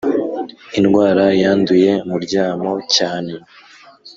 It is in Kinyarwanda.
indwara yanduye muryamo cyane.